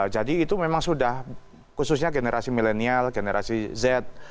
jadi itu memang sudah khususnya generasi milenial generasi z